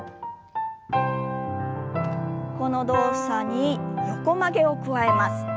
この動作に横曲げを加えます。